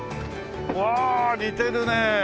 うわあ似てるね！